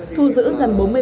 thu giữ gần bốn mươi vé